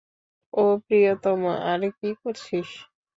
ও প্রিয়তম, - আরে কি করছিস?